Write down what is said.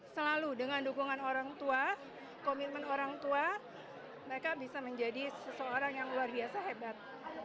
selalu dengan dukungan orang tua komitmen orang tua mereka bisa menjadi seseorang yang luar biasa hebat